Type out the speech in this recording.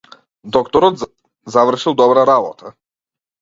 Докторот завршил добра работа.